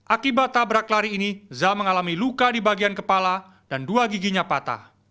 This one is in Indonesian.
akibat tabrak lari ini zah mengalami luka di bagian kepala dan dua giginya patah